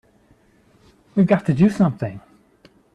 We've got to do something!